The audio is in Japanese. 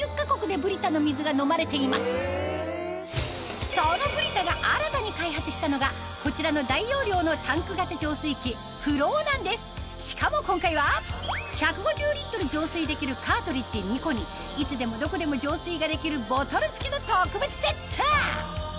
今やそのブリタが新たに開発したのがこちらの大容量のしかも今回は１５０浄水できるカートリッジ２個にいつでもどこでも浄水ができるボトル付きの特別セット！